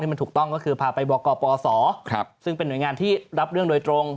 มันถูกต้องก็คือพาไปบกปศซึ่งเป็นหน่วยงานที่รับเรื่องโดยตรง